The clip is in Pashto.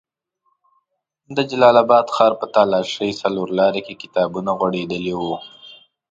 د جلال اباد ښار په تالاشۍ څلور لاري کې کتابونه غوړېدلي وو.